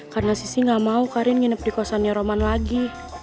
karena sisi gak mau karim nginep di kosannya roman lagi